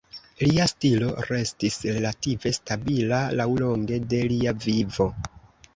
Lia stilo restis relative stabila laŭlonge de lia vivo.